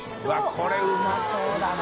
これうまそうだな。